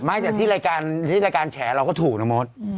ไม่แต่ที่รายการแฉเราก็ถูกนะโมด